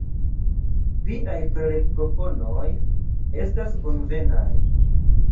Viaj prelegproponoj estas bonvenaj.